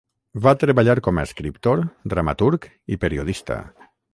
Va treballar com a escriptor, dramaturg i periodista.